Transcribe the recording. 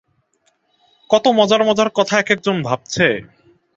কত মজার মজার কথা একেক জন ভাবছে।